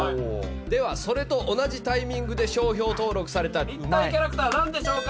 ではそれと同じタイミングで商標登録された立体キャラクター何でしょうか？